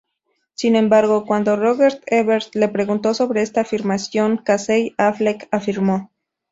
Sin embargo, cuando Roger Ebert le preguntó sobre esta afirmación, Casey Affleck afirmó:.